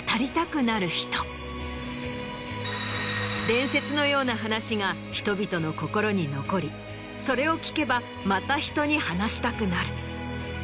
伝説のような話が人々の心に残りそれを聞けばまた人に話したくなる。